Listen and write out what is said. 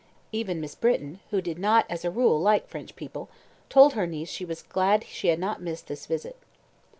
Even Miss Britton, who did not as a rule like French people, told her niece she was glad she had not missed this visit.